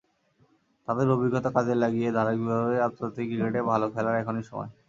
তাদের অভিজ্ঞতা কাজে লাগিয়ে ধারাবাহিকভাবে আন্তর্জাতিক ক্রিকেটে ভালো খেলার এখনই সময়।